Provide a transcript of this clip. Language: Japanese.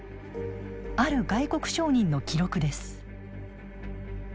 ある外国商人の記録です。